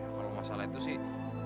kalau masalah itu sih